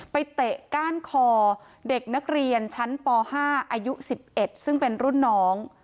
เตะก้านคอเด็กนักเรียนชั้นป๕อายุ๑๑ซึ่งเป็นรุ่นน้อง